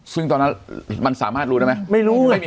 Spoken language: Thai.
ซึ่งตอนนั้นมันสามารถรู้ได้ไหมไม่รู้